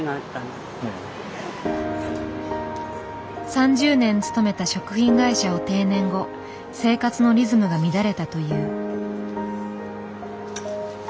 ３０年勤めた食品会社を定年後生活のリズムが乱れたという。